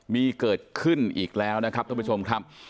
มีเกิดขึ้นอีกแล้วนะครับท่านผู้ชมครับ